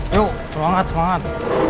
yuk semangat semangat